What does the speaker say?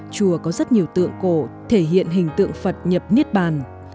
chùa có rất nhiều tượng cổ thể hiện hình tượng phật nhập niết bàn